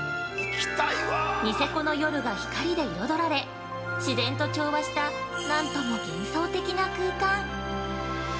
ニセコの夜が光で彩られ、自然と調和したなんとも幻想的な空間。